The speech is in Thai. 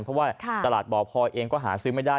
เพราะว่าตลาดบ่อพลอยเองก็หาซื้อไม่ได้